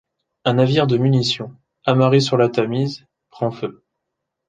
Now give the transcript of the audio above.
Un navire de munitions, amarré sur la Tamise, prend feu.